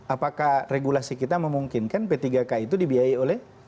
apakah regulasi kita memungkinkan p tiga k itu dibiayai oleh